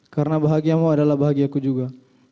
karena bahagiamu adalah bahagia ku juga